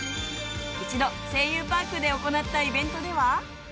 一度『声優パーク』で行ったイベントでは。